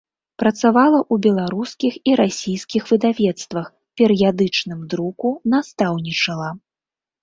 Працавала ў беларускіх і расійскіх выдавецтвах, перыядычным друку, настаўнічала.